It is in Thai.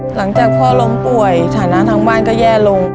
หลังจากพ่อล้มป่วยฐานะทางบ้านก็แย่ลง